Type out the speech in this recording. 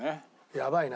やばいな。